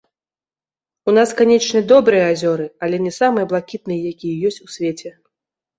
У нас, канечне, добрыя азёры, але не самыя блакітныя, якія ёсць у свеце.